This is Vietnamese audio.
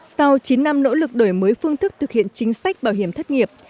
sau chín năm nỗ lực đổi mới phương thức thực hiện chính sách bảo hiểm thất nghiệp